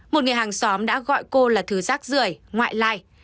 một người hàng xóm đã gọi cô là thứ rác rưỡi ngoại lai